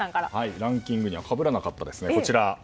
ランキングにはかぶらなかったですね。